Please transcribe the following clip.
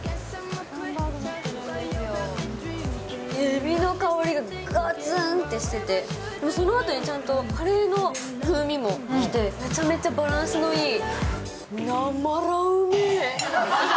エビの香りが、がつんってしてて、そのあとにちゃんとカレーの風味も来て、めちゃめちゃバランスのいい。